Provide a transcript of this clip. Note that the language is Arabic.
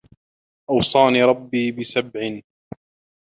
أَوْصَانِي رَبِّي بِسَبْعٍ